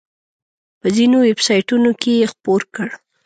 په ځینو ویب سایټونو کې یې خپور کړ.